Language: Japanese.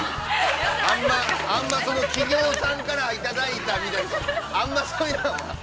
あんまり、その企業さんから、いただいた、みたいなん、あんまりそういうのは。